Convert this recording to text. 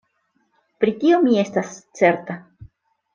Pri tio mi estas certa.